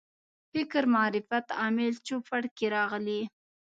فکر معرفت عامل چوپړ کې راغلي.